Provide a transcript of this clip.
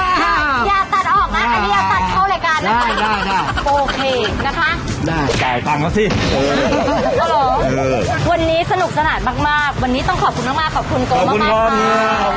วันนี้สนุกสนานมากวันนี้ต้องขอบคุณมากขอบคุณมาก